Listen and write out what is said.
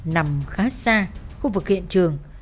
nằm khá xa khu vực hiện trường